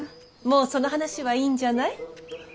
もうその話はいいんじゃない？